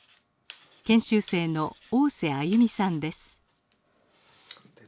研修生の大瀬歩さんです。